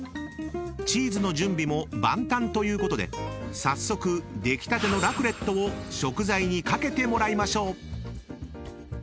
［チーズの準備も万端ということで早速出来たてのラクレットを食材に掛けてもらいましょう］